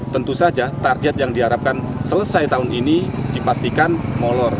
tentu saja target yang diharapkan selesai tahun ini dipastikan molor